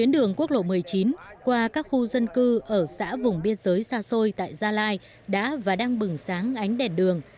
đường quốc lộ một mươi chín qua các khu dân cư ở xã vùng biên giới xa xôi tại gia lai đã và đang bừng sáng ánh đèn đường